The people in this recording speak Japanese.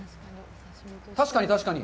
確かに確かに。